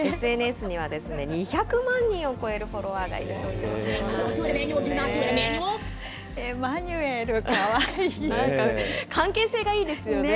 ＳＮＳには２００万人を超えるフォロワーがいるということなんですね。